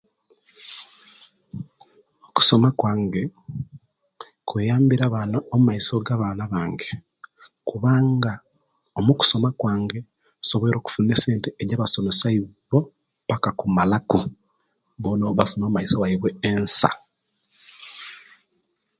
Okusoma kwange kuyambire abaana omaiso ya baana bange kubanga omukusoma kwange nsobwoire okufuna esente ejasomesya ibo paka kumalaku bona bafune emaiso yabwe nsa